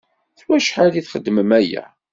S wacḥal i txeddmem aya?